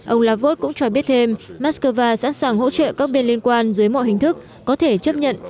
ông lavrov cũng cho biết thêm moscow sẵn sàng hỗ trợ các bên liên quan dưới mọi hình thức có thể chấp nhận